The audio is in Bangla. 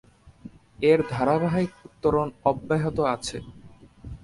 এর ধারাবাহিক উত্তরণ অব্যাহত আছে।